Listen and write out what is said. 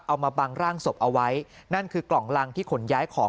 เอามาบังร่างศพเอาไว้นั่นคือกล่องรังที่ขนย้ายของ